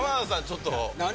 ちょっと何？